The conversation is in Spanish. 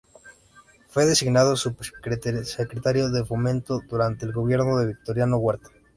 Fue designado subsecretario de Fomento durante el gobierno de Victoriano Huerta.